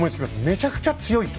めちゃくちゃ強いと。